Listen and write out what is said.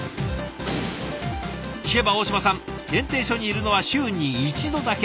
聞けば大嶋さん検定所にいるのは週に１度だけ。